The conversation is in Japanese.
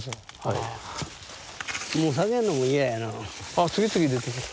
あ次々出てくる。